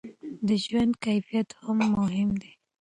د ژوند کیفیت هم مهم دی.